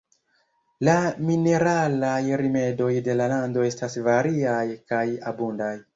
La mineralaj rimedoj de la lando estas variaj kaj abundaj.